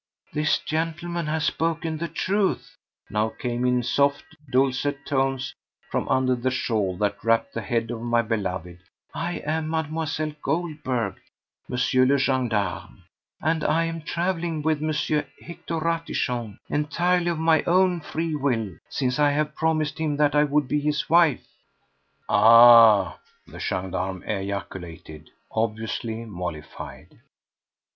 "This gentleman has spoken the truth," now came in soft, dulcet tones from under the shawl that wrapped the head of my beloved. "I am Mlle. Goldberg, M. le Gendarme, and I am travelling with M. Hector Ratichon entirely of my own free will, since I have promised him that I would be his wife." "Ah!" the gendarme ejaculated, obviously mollified.